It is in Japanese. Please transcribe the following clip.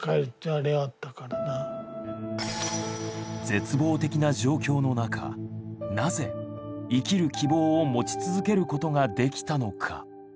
絶望的な状況の中なぜ生きる希望を持ち続けることができたのか？